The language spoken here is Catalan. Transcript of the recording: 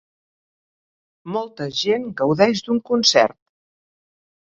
Molta gent gaudeix d'un concert.